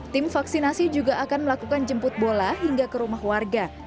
tim vaksinasi juga akan melakukan jemput bola hingga ke rumah warga